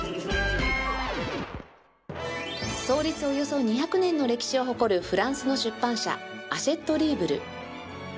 創立およそ２００年の歴史を誇るフランスの出版社アシェット・リーブル